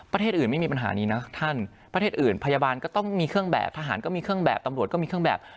ประเทศอื่นไม่มีปัญหานี้นะท่านประเทศอื่นพยาบาลก็ต้องมีเครื่องแบบทหารก็มีเครื่องแบบตำรวจก็มีเครื่องแบบ